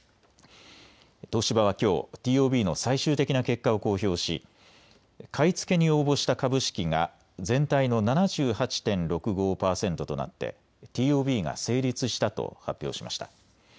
東芝はきょうＴＯＢの最終的な結果を公表し買い付けに応募した株式が全体の７８．６５％となってＴＯＢが成立したと発表しました。